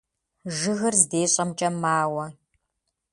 Жыгыр здещӀэмкӀэ мауэ.